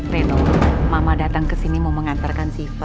reno mama datang kesini mau mengantarkan sipa